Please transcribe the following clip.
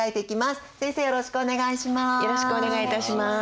よろしくお願いします。